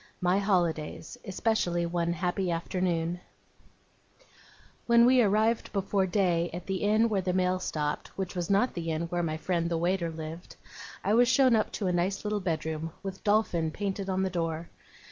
MY HOLIDAYS. ESPECIALLY ONE HAPPY AFTERNOON When we arrived before day at the inn where the mail stopped, which was not the inn where my friend the waiter lived, I was shown up to a nice little bedroom, with DOLPHIN painted on the door.